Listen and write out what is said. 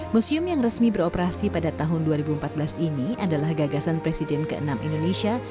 museum yang resmi beroperasi pada tahun dua ribu empat belas ini adalah gagasan presiden ke enam indonesia